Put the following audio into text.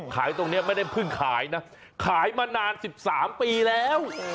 ขายตรงนี้ไม่ได้เพิ่งขายนะขายมานาน๑๓ปีแล้ว